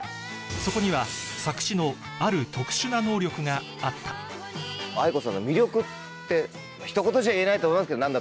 そこにはあるがあったａｉｋｏさんの魅力ってひと言じゃ言えないと思いますけど？